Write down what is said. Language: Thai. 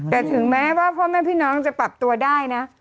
แต่ถึงแม้ว่าพ่อแม่พี่น้องจะปรับตัวได้นะ